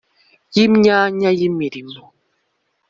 yi myanya yi mirimo;